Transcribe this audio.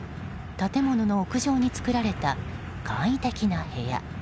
建物の屋上に作られた簡易的な部屋。